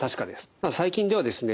ただ最近ではですね